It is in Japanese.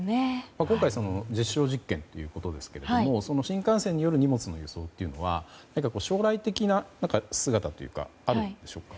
今回実証実験ということですけれども新幹線による荷物の輸送というのは将来的な姿というのはあるんでしょうか。